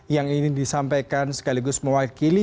yang ingin disampaikan sekaligus mewakili